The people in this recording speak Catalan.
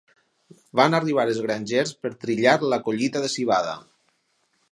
Van arribar els grangers per trillar la collita de civada.